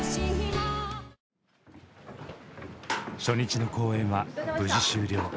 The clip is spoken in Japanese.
初日の公演は無事終了。